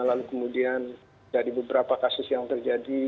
lalu kemudian dari beberapa kasus yang terjadi